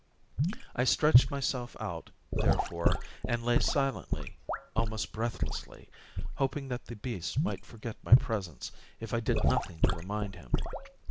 I stretched myself out, therefore, and lay silently, almost breathlessly, hoping that the beast might forget my presence if I did nothing to remind him.